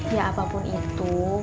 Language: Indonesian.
ya apapun itu